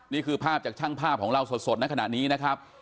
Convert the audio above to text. นี่คือภาพจากช่างภาพของเราสดในขณะนี้นะครับ